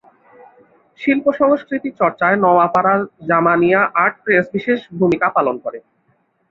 শিল্প সংস্কৃতি চর্চায় নওয়াপড়া জামানিয়া আর্ট প্রেস বিশেষ ভূমিকা পালন করে।